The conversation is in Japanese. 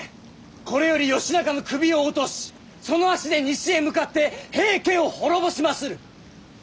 これより義仲の首を落としその足で西へ向かって平家を滅ぼしまする！